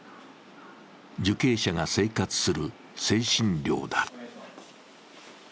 受刑者が生活する誠心寮だ。